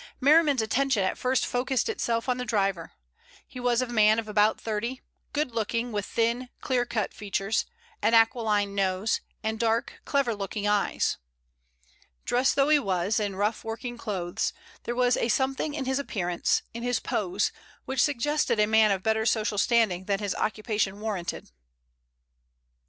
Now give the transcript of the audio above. Merriman's attention at first focused itself on the driver. He was a man of about thirty, good looking, with thin, clear cut features, an aquiline nose, and dark, clever looking eyes. Dressed though he was in rough working clothes, there was a something in his appearance, in his pose, which suggested a man of better social standing than his occupation warranted.